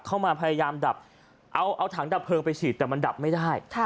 พยายามดับเอาถังดับเพลิงไปฉีดแต่มันดับไม่ได้